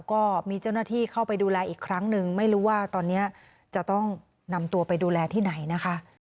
ก็มีเจ้าหน้าที่เข้าไปดูแลอีกครั้งหนึ่งไม่รู้ว่าตอนนี้จะต้องนำตัวไปดูแลที่ไหนนะคะ